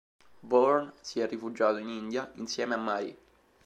Bourne si è rifugiato in India, insieme a Marie.